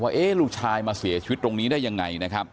ลูกชายมาเสียชีวิตตรงนี้ได้ยังไงนะครับ